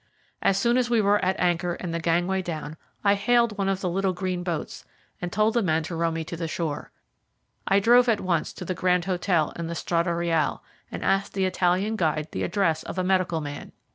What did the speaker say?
As soon as we were at anchor and the gangway down, I hailed one of the little green boats and told the men to row me to the shore. I drove at once to the Grand Hotel in the Strada Reale, and asked the Italian guide the address of a medical man.